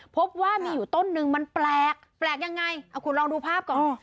พบว่ามีอยู่ต้นนึงมันแปลกแปลกยังไงเอาคุณลองดูภาพก่อน